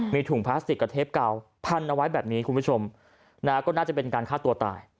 มีถุงพลาสติกกับเทปเก่าพันเอาไว้แบบนี้คุณผู้ชมนะฮะก็น่าจะเป็นการฆ่าตัวตาย